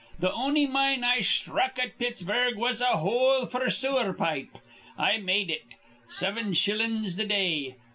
Th' on'y mine I sthruck at Pittsburgh was a hole f'r sewer pipe. I made it. Siven shillin's th' day.